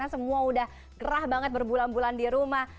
semua udah gerah banget berbulan bulan di rumah